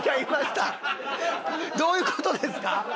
どういう事ですか？